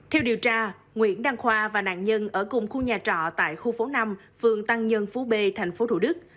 theo điều tra nguyễn đăng khoa và nạn nhân ở cùng khu nhà trọ tại khu phố năm phường tăng nhân phú b tp thủ đức